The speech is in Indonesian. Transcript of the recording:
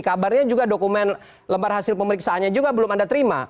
kabarnya juga dokumen lempar hasil pemeriksaannya juga belum anda terima